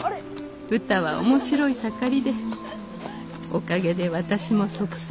「うたは面白い盛りでおかげで私も息災です」。